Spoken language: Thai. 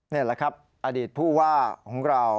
นี่แหละครับอดีตผู้ว่าของเรา